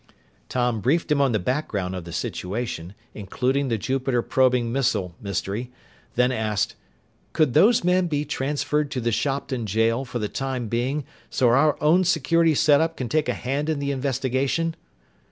Tom briefed him on the background of the situation, including the Jupiter probing missile mystery, then asked, "Could those men be transferred to the Shopton jail for the time being so our own security setup can take a hand in the investigation?"